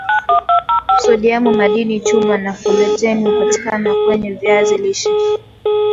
sodiamu madini chuma na foleti hupatikana kwenye viazi lishe